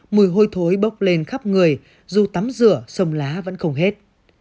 mùi hôi thối bốc lên khắp người dù tắm rửa sông lá vẫn không hết